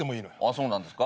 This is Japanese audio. そうなんですか？